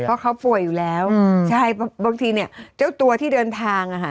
เพราะเขาป่วยอยู่แล้วใช่บางทีเนี่ยเจ้าตัวที่เดินทางอ่ะค่ะ